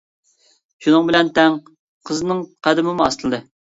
شۇنىڭ بىلەن تەڭ قىزنىڭ قەدىمىمۇ ئاستىلىدى.